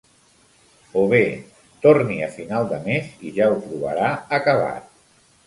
O bé "Torni a finals de mes i ja ho trobarà acabat".